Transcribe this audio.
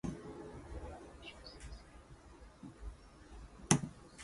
The original parkway became the northbound roadway and a new southbound one was built.